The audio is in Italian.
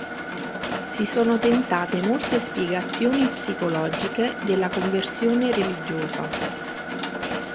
Si sono tentate molte spiegazioni psicologiche della conversione religiosa.